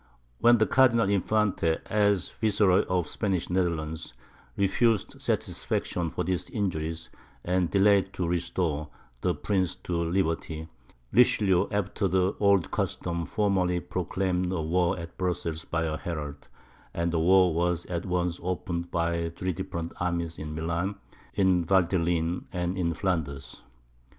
When the Cardinal Infante, as Viceroy of the Spanish Netherlands, refused satisfaction for these injuries, and delayed to restore the prince to liberty, Richelieu, after the old custom, formally proclaimed war at Brussels by a herald, and the war was at once opened by three different armies in Milan, in the Valteline, and in Flanders.